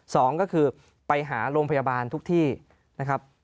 สองก็คือไปหาโรงพยาบาลทุกที่นะครับ